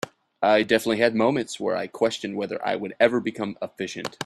I definitely had moments where I questioned whether I would ever become efficient.